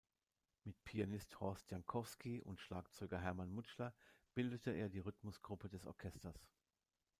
Mit Pianist Horst Jankowski und Schlagzeuger Hermann Mutschler bildete er die Rhythmusgruppe des Orchesters.